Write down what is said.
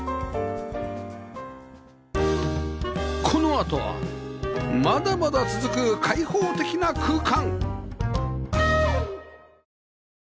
このあとはまだまだ続く開放的な空間！